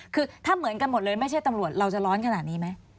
คือถ้าเหมือนกันหมดเลยไม่ใช่ตำรวจเราจะร้อนขนาดนี้ไหม